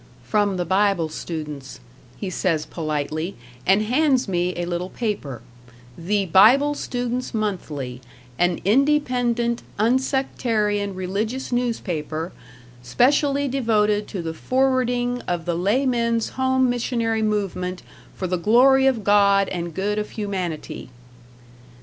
"From the Bible students," he says politely, and hands me a little paper, "The Bible Students' Monthly: an Independent, Unsectarian Religious Newspaper, Specially devoted to the Forwarding of the Lay men's Home Missionary Movement for the Glory of God and Good of Humanity."